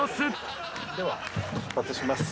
では出発します。